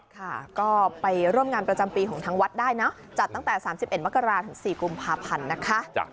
ค่ะก็ไปร่วมงานประจำปีของทางวัดได้เนอะจัดตั้งแต่๓๑มกราถึง๔กุมภาพันธ์นะคะ